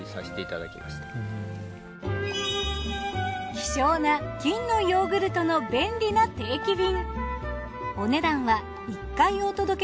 希少な金のヨーグルトの便利な定期便。